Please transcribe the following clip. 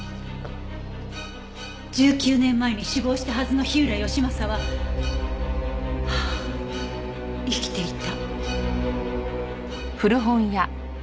１９年前に死亡したはずの火浦義正は生きていた。